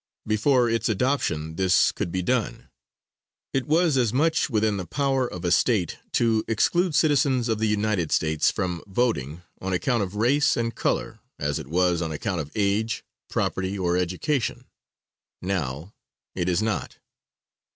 Before its adoption this could be done. It was as much within the power of a State to exclude citizens of the United States from voting on account of race and color, as it was on account of age, property or education. Now it is not."